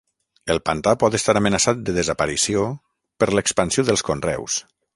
El pantà pot estar amenaçat de desaparició, per l'expansió dels conreus.